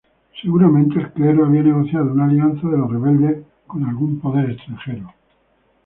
Seguramente el clero había negociado una alianza de los rebeldes con algún poder extranjero.